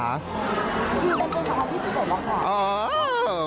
คือมันเป็น๒๐๒๑แล้วค่ะ